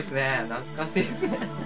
懐かしいですね。